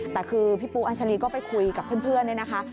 แต่คือพี่ปูอัญชาลีก็ไปคุยกับเพื่อนเนี่ยนะคะ